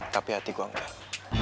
tapi hati gue enggak